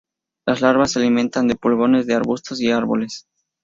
Las larvas se alimentan de pulgones de arbustos y árboles.